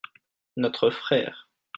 notre frère.